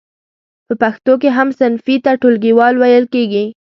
په پښتو کې هم صنفي ته ټولګیوال ویل کیږی.